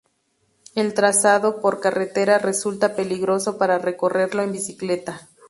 El trazado por carretera resulta peligroso para recorrerlo en bicicleta.